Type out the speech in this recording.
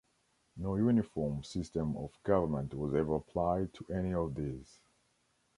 No uniform system of government was ever applied to any of these.